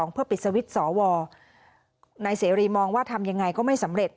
เพื่อปิดสวิตช์สวนายเสรีมองว่าทำยังไงก็ไม่สำเร็จ